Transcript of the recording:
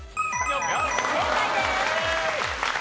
正解です。